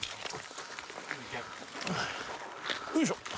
よいしょ！